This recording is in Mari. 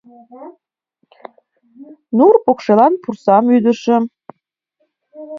Нур покшелан пурсам ӱдышым -